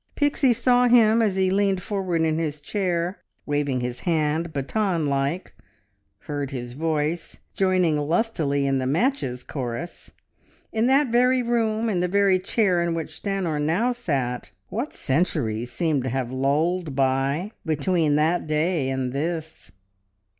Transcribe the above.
Pixie saw him as he leaned forward in his chair, waving his hand baton like, heard his voice, joining lustily in the "Matches" chorus. In that very room in the very chair in which Stanor now sat. ... What centuries seemed to have lolled by, between that day, and this!